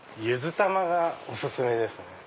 ゆずたまがお薦めですね。